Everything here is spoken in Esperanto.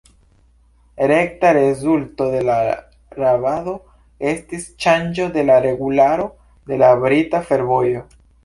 Rekta rezulto de la rabado estis ŝanĝo en la regularo de la brita fervojo.